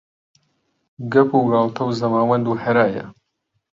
گەپ و گاڵتە و زەماوەند و هەرایە